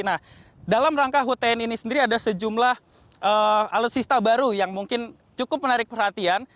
nah dalam rangka hutn ini sendiri ada sejumlah alutsista baru yang mungkin cukup menarik perhatian